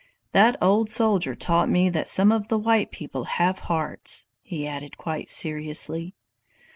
That old soldier taught me that some of the white people have hearts," he added, quite seriously.